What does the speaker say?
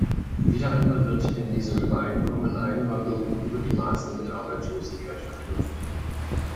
Wieder einmal wird in diesem Übereinkommen Einwanderung über die Maßen mit Arbeitslosigkeit verknüpft.